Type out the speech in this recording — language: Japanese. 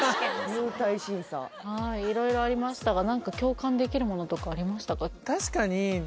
入隊審査はい色々ありましたが何か共感できるものとかありましたか？